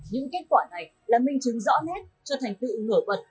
những kết quả này là minh chứng rõ nét cho thành tựu nổi bật